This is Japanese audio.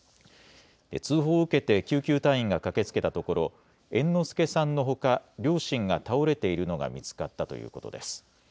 通報を受けて救急隊員が駆けつけたところ猿之助さんのほか両親が倒れているのが見つかったということです。